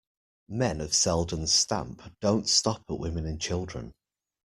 Men of Selden's stamp don't stop at women and children.